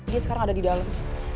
dia sekarang ada di dalam